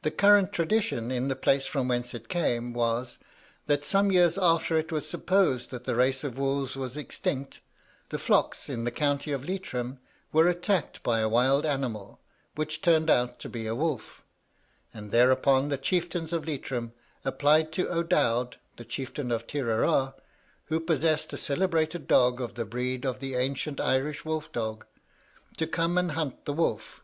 The current tradition in the place from whence it came was, that some years after it was supposed that the race of wolves was extinct, the flocks in the county of Leitrim were attacked by a wild animal, which turned out to be a wolf; that thereupon the chieftains of Leitrim applied to O'Dowd, the chieftain of Tireragh (who possessed a celebrated dog of the breed of the ancient Irish wolf dog), to come and hunt the wolf.